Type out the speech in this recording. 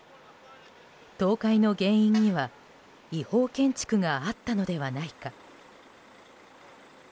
倒壊の原因には違法建築があったのではないか。